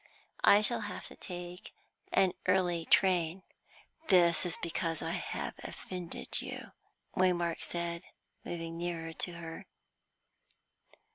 I shall have to take an early train." "This is because I have offended you," Waymark said, moving nearer to her.